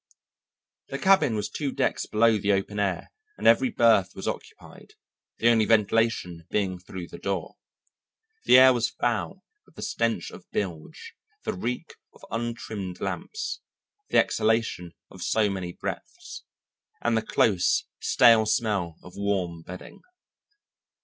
The cabin was two decks below the open air and every berth was occupied, the only ventilation being through the door. The air was foul with the stench of bilge, the reek of the untrimmed lamps, the exhalation of so many breaths, and the close, stale smell of warm bedding.